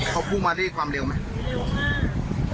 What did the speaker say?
เขาพุ่งมาด้วยความเร็วไหม